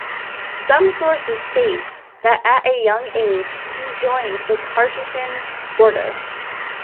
Some sources state that at a young age he joined the Carthusian Order.